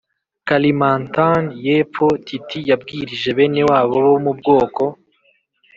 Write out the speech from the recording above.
Kalimantan y Epfo Titi yabwirije bene wabo bo mu bwoko